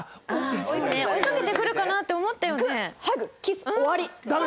追いかけてくるかなって思ったよね。